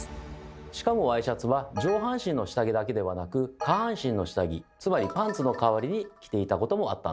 しかもワイシャツは上半身の下着だけではなく下半身の下着つまりパンツの代わりに着ていたこともあったんです。